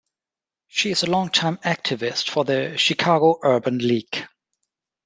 She is a long-time activist for the Chicago Urban League.